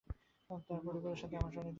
তাদের পরিবারের সাথে আমার অনেকদিনের পরিচয়।